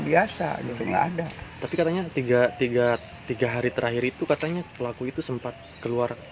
biasa gitu enggak ada tapi katanya tiga ratus tiga puluh tiga hari terakhir itu katanya pelaku itu sempat keluar